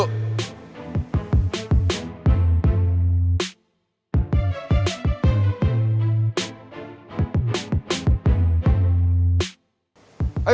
ada yang lucu